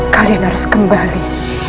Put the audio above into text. kalian harus kembali